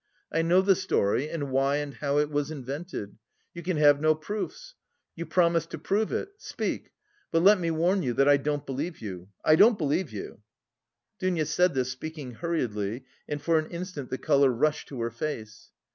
I know the story and why and how it was invented. You can have no proofs. You promised to prove it. Speak! But let me warn you that I don't believe you! I don't believe you!" Dounia said this, speaking hurriedly, and for an instant the colour rushed to her face.